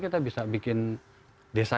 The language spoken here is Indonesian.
kita bisa bikin desa